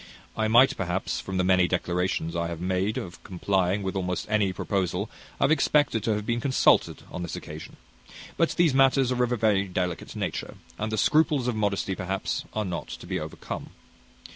I might, perhaps, from the many declarations I have made of complying with almost any proposal, have expected to have been consulted on this occasion; but these matters are of a very delicate nature, and the scruples of modesty, perhaps, are not to be overcome.